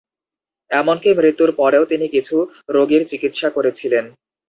এমনকি মৃত্যুর পরেও তিনি কিছু রোগীর চিকিৎসা করেছিলেন।